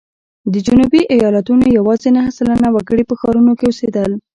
د جنوبي ایالتونو یوازې نهه سلنه وګړي په ښارونو کې اوسېدل.